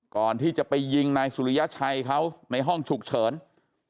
ก่อนที่จะไปยิงนายสุริยชัยเขาในห้องฉุกเฉิน